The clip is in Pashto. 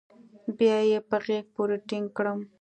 بيا يې په غېږ پورې ټينگ کړم.